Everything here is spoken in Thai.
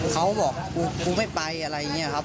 เขาบอกกูไม่ไปอะไรอย่างนี้ครับ